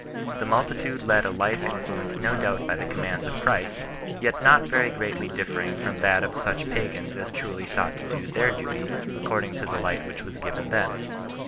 The multitude led a life influenced no doubt by the commands of Christ, yet not very greatly differing from that of such pagans as truly sought to do their duty according to the light which was given them.